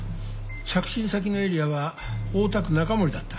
着信先のエリアは大田区中森だった。